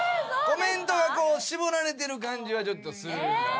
コメントがこう絞られてる感じはちょっとするかな。